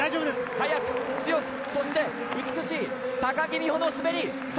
速く、強く、そして美しい高木美帆の滑り。